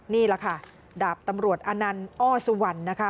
นี่แหละค่ะดาบตำรวจอนันต์อ้อสุวรรณนะคะ